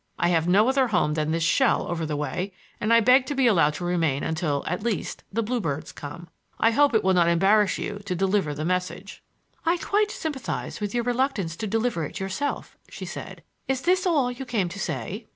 I have no other home than this shell over the way, and I beg to be allowed to remain until—at least—the bluebirds come. I hope it will not embarrass you to deliver the message." "I quite sympathize with your reluctance to deliver it yourself," she said. "Is this all you came to say?"